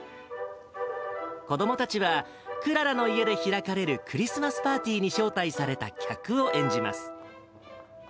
子どもたちは、クララの家で開かれるクリスマスパーティーに招待された客を演じます。